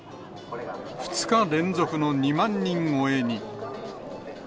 ２日連続の２万人超えに。